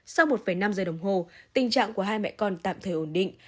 sau một năm giờ đồng hồ tình trạng của hai mẹ con tạm thời ổn định